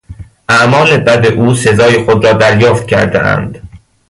اعمال بد او سزای خود را دریافت کردهاند.